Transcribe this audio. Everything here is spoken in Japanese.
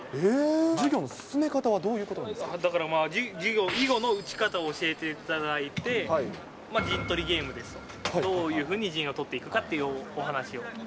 授業の進め方はどうなんですだからまあ、授業、囲碁の打ち方を教えていただいて、陣取りゲームですと、どういうふうに陣を取っていくかっていうお話を。